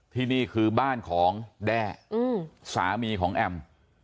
ที่นี่คือบ้านของแด้สามีของแอม